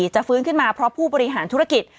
จะฟื้นขึ้นมาเพราะผู้บริหารธุรกิจ